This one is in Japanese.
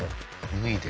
脱いで。